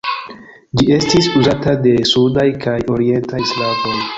Ĝi estis uzata de sudaj kaj orientaj slavoj.